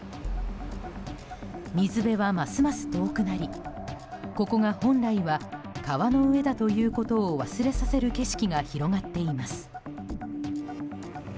水辺はますます遠くなりここが本来は川の上だということを忘れさせる景色が広がっています。